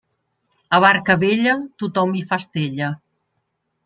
A barca vella tothom hi fa estella.